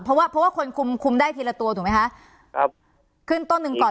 เพราะว่าเพราะว่าคนคุมคุมได้ทีละตัวถูกไหมคะครับขึ้นต้นหนึ่งก่อน